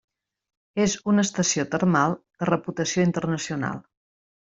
És una estació termal de reputació internacional.